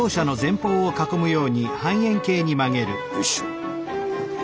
よし。